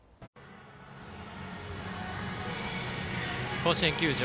甲子園球場。